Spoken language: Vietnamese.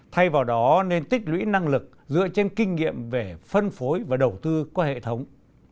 thay vào đó nên tích lũy năng lực dựa trên kinh nghiệm về phân phối và đầu tư qua hệ thống